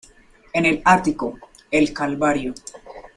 En el ático, el Calvario.